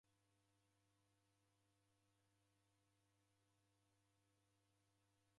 Kwazerwa kuende kulale.